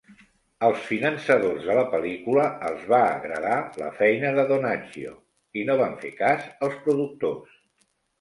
Als finançadors de la pel·lícula els va agradar la feina de Donaggio i no van fer cas als productors.